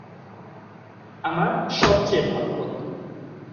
আমার সবচেয়ে ভালো বন্ধু।